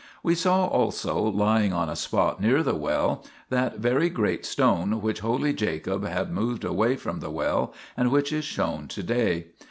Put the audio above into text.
We saw also, lying on a spot near the well, that very great stone which holy Jacob had moved away from the well, and which is shown to day.